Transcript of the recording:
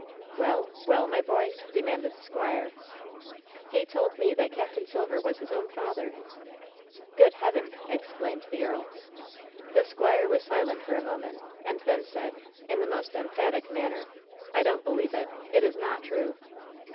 "Well, well, my boy?' demanded the squire. "He told me that Capt Silver was his own father!" "Good Heaven !" exclaimed the earl. The squire was silent for a moment, and then said, in the most emphatic manner: "I don't believe it ! It is not true